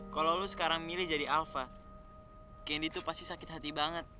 kalau lo sekarang milih jadi alva candy tuh pasti sakit hati banget